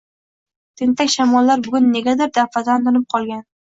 Tentak shamollar bugun negadir daf’atan tinib qolgan.